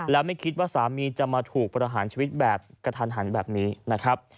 แล้วไม่คิดว่าสามีจะมาถูกประหารชีวิตแบบกระทันหันแบบนี้นะครับ